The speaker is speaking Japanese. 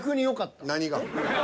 何が？